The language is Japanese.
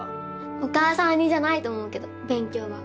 お母さん似じゃないと思うけど勉強は。